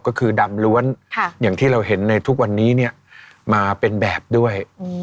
ก็คือดำล้วนอย่างที่เราเห็นในทุกวันนี้เนี่ยมาเป็นแบบด้วย